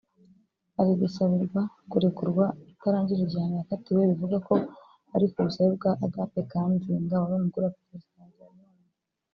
ari gusabirwa kurekurwa atarangije igihano yakatiwe bivugwa ko ari kubusabe bwa Agathe Kanziga wari umugore wa Perezida Habyarimana